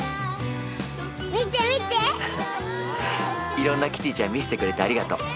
いろんなキティちゃん見せてくれてありがとう。